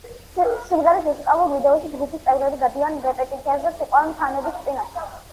სიმღერის მუსიკალურ ვიდეოში ჯგუფის წევრები გადიან რეპეტიციას და ცეკვავენ ფანების წინაშე.